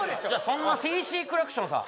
そんなＴＣクラクションさん